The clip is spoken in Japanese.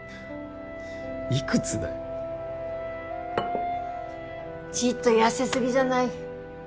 いくつだよちいっと痩せすぎじゃない？